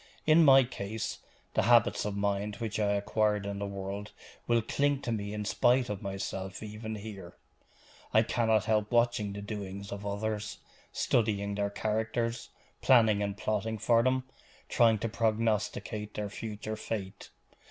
In my case, the habits of mind which I acquired in the world will cling to me in spite of myself even here. I cannot help watching the doings of others, studying their characters, planning and plotting for them, trying to prognosticate their future fate.